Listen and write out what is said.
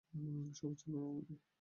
সবাই, চলুন রওনা দেই।